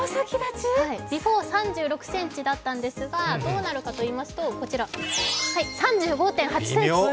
ビフォーは３６ｃｍだったんですがどうなるかといいますと、こちら、３５．８ｃｍ。